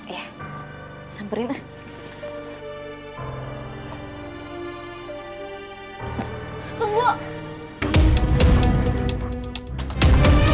iya samperin lah